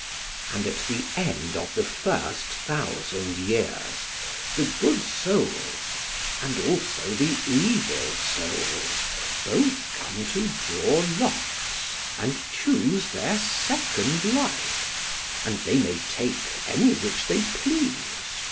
And at the end of the first thousand years the good souls and also the evil souls both come to draw lots and choose their second life, and they may take any which they please.